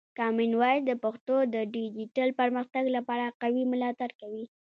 کامن وایس د پښتو د ډیجیټل پرمختګ لپاره قوي ملاتړ کوي.